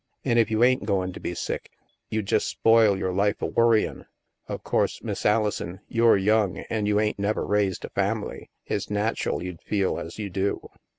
An' if you ain't goin' to be sick, you jest spoil your life a worryin'. Of course, Miss Alison, you're young, an' you ain't never raised a family. It's natchrd you'd feel as you do.'